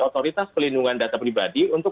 otoritas pelindungan data pribadi untuk